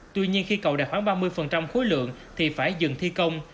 tuy nhiên khi cầu đạt khoảng ba mươi khối lượng thì phải dừng thi công